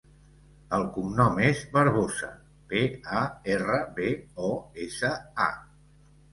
El cognom és Barbosa: be, a, erra, be, o, essa, a.